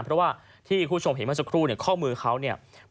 ก็เลยทุกกระจกหน้ารถแตกเลยครับ